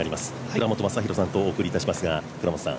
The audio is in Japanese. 倉本昌弘さんとお送りします。